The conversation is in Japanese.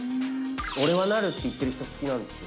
俺はなるって言ってる人、好きなんですよ。